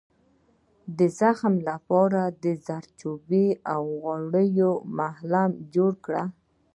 د زخم لپاره د زردچوبې او غوړیو ملهم جوړ کړئ